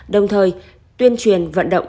đồng thời tuyên truyền vận động